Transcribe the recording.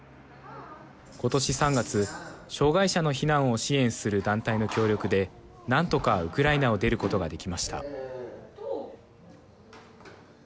今年３月、障害者の避難を支援する団体の協力で何とかウクライナを出ることができました。